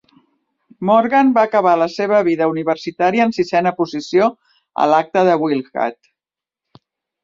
Morgan va acabar la seva vida universitària en sisena posició a l"acta de Willdcat.